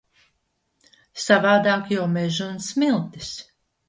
Savādāk jau meži un smiltis.